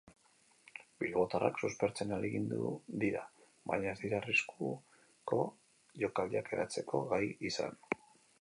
Bilbotarrak suspertzen ahalegindu dira, baina ez dira arriskuko jokaldiak eratzeko gai izan.